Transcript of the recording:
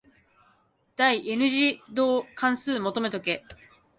第 n 次導関数求めとけ。